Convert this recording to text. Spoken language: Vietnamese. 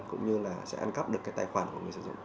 cũng như là sẽ ăn cắp được cái tài khoản của người sử dụng